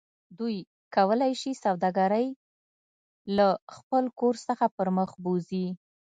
دوی کولی شي سوداګرۍ له خپل کور څخه پرمخ بوځي